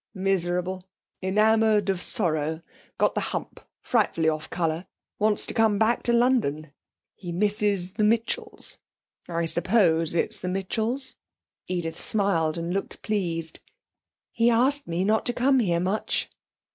'Miserable; enamoured of sorrow; got the hump; frightfully off colour; wants to come back to London. He misses the Mitchells. I suppose it's the Mitchells.' Edith smiled and looked pleased. 'He asked me not to come here much.'